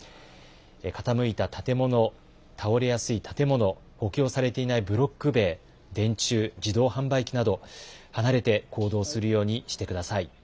傾いた建物、倒れやすい建物、補強されていないブロック塀、電柱、自動販売機など、離れて行動するようにしてください。